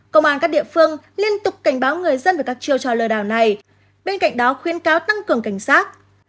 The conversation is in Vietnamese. công an các địa phương liên tục cảnh báo người dân về các chiêu trò lừa đảo này bên cạnh đó khuyên cáo tăng cường cảnh sát